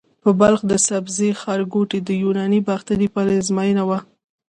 د بلخ د سبزې ښارګوټي د یوناني باختر پلازمېنه وه